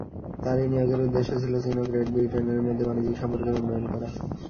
তার এই নিয়োগের উদ্দেশ্য ছিল চীন ও গ্রেট ব্রিটেনের মধ্যে বাণিজ্যিক সম্পর্কের উন্নয়ন করা।